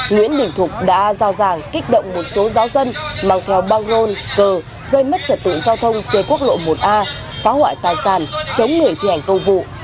nguyễn điền thục đã giao giảng kích động một số giáo dân mang theo băng rôn cờ gây mất trật tự giao thông trên quốc lộ một a phá hoại tài sản chống người thi hành công vụ